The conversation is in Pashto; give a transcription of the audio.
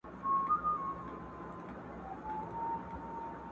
د نامه له يادولو يې بېرېږي!.